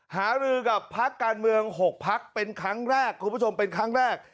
หารือกับพักการเมือง๖พักเป็นครั้งแรกคุณผู้ชมเป็นครั้งแรก